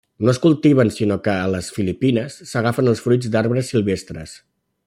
No es cultiven sinó que, a les Filipines, s'agafen els fruits d'arbres silvestres.